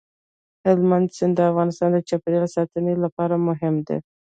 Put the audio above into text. هلمند سیند د افغانستان د چاپیریال ساتنې لپاره مهم دي.